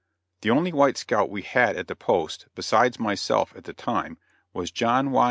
The only white scout we had at the post, besides myself at that time, was John Y.